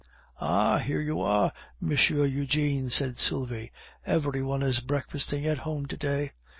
"Ah! here you are, M. Eugene," said Sylvie; "every one is breakfasting at home to day."